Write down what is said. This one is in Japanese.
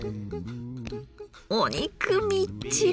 お肉みっちり。